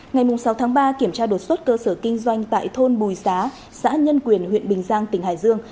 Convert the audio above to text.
ngày sáu tháng ba kiểm tra đột xuất cơ sở kinh doanh tại thôn bùi xá xã nhân quyền huyện bình giang tỉnh hải dương